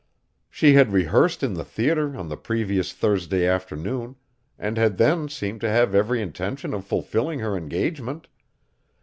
She had rehearsed in the theater on the previous Thursday afternoon, and had then seemed to have every intention of fulfilling her engagement.